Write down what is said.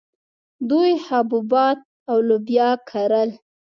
دوی حبوبات او لوبیا کرل